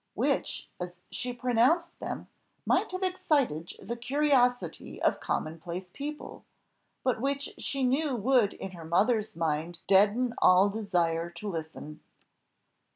which, as she pronounced them, might have excited the curiosity of commonplace people, but which she knew would in her mother's mind deaden all desire to listen.